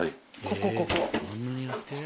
ここここ。